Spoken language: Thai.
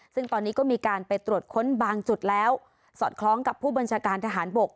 ซึ่งตอนนี้ก็มีการไปตรวจค้นบางจุดแล้วสอดคล้องกับผู้บัญชาการทหารบก